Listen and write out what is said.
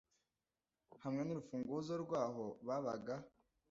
hamwe n’urufunguzo rw’aho babaga